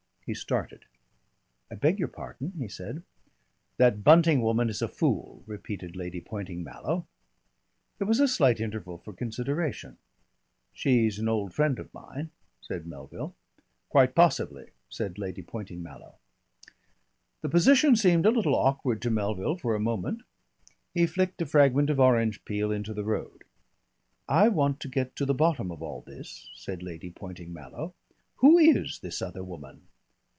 He started. "I beg your pardon," he said. "That Bunting woman is a fool," repeated Lady Poynting Mallow. There was a slight interval for consideration. "She's an old friend of mine," said Melville. "Quite possibly," said Lady Poynting Mallow. The position seemed a little awkward to Melville for a moment. He flicked a fragment of orange peel into the road. "I want to get to the bottom of all this," said Lady Poynting Mallow. "Who is this other woman?"